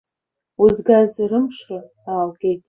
Узгаз рымшра ааугеит!